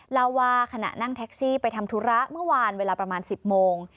เล่าว่าขณะนั่งแท็กซี่ไปทำธุระเมื่อวานเวลาประมาณ๑๐โมง